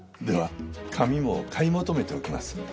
では紙も買い求めておきます。